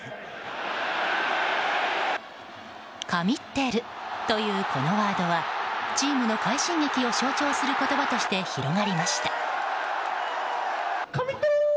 神ってるというこのワードはチームの快進撃を象徴する言葉として広まりました。